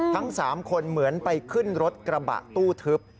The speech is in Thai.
ทั้ง๓คนเหมือนไปขึ้นรถกระบะตู้ทึบ